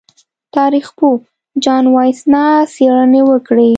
تاریخ پوه جان واسینا څېړنې وکړې.